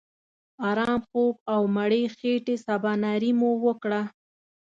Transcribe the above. آرام خوب او مړې خېټې سباناري مو وکړه.